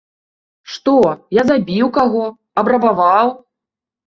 Што, я забіў каго, абрабаваў?